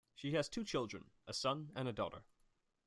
She has two children: a son and daughter.